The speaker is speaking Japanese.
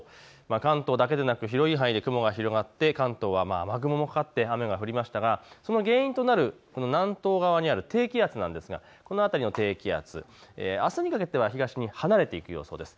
関東だけでなく広い範囲で雲が広がって関東は雨雲もかかって雨が降りましたがその原因となる南東側にある低気圧なんですがこの辺りの低気圧、あすにかけては東に離れていく予想です。